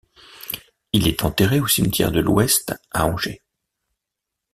Il est enterré au cimetière de l'Ouest à Angers.